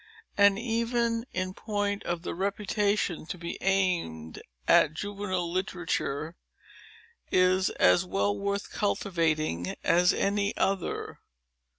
And, even in point of the reputation to be aimed at, juvenile literature is as well worth cultivating as any other.